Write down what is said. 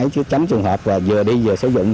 tránh trường hợp và vừa đi vừa sử dụng